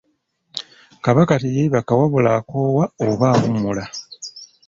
Kabaka teyeebaka wabula akoowa oba awummula.